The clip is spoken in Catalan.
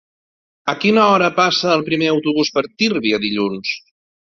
A quina hora passa el primer autobús per Tírvia dilluns?